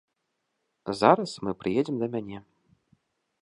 Зараз мы прыедзем да мяне.